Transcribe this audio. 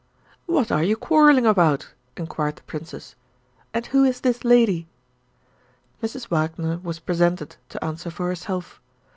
"What are you quarreling about?" inquired the Princess. "And who is this lady?" Mrs. Wagner was presented, to answer for herself.